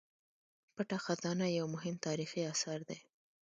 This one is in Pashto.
پټه خزانه یو مهم تاریخي اثر دی.